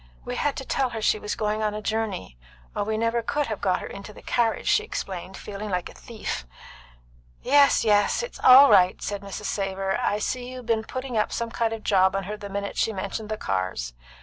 "We had to tell her she was going a journey, or we never could have got her into the carriage," she explained, feeling like a thief. "Yes, yes. It's all right," said Mrs. Savor. "I see you'd be'n putting up some kind of job on her the minute she mentioned the cars.